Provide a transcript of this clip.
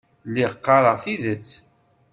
Lliɣ qqareɣ tidet.